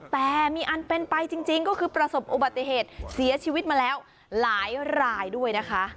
แต่มีอันเป็นไปจริงก็คือประสบอุบัติเหตุเสียชีวิตมาแล้วหลายรายด้วยนะคะ